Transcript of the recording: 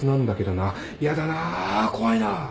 やだな怖いな。